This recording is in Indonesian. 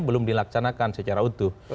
belum dilaksanakan secara utuh